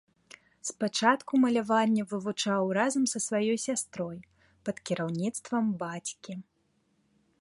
Спачатку маляванне вывучаў разам са сваёй сястрой пад кіраўніцтвам бацькі.